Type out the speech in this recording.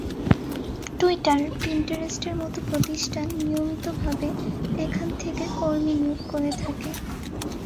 Twitter, পিন্টারেস্টের মতো প্রতিষ্ঠান নিয়মিতভাবে এখান থেকে কর্মী নিয়োগ করে থাকে।